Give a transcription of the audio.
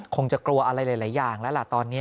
คงจะกลัวอะไรหลายอย่างแล้วล่ะตอนนี้